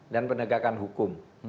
dan penegakan hukum